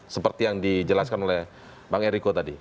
seperti yang dijelaskan oleh bang eriko tadi